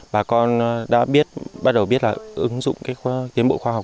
bà con đã biết bắt đầu biết là ứng dụng tiến bộ khoa học